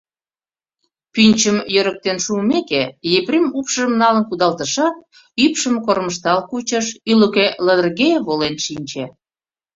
Пӱнчым йӧрыктен шуымеке, Епрем упшыжым налын кудалтышат, ӱпшым кормыжтал кучыш, ӱлыкӧ лыдырге волен шинче.